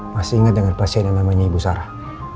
masih ingat dengan pasien yang namanya ibu sarah